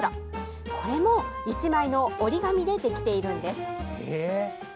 これも、１枚の折り紙でできているんです。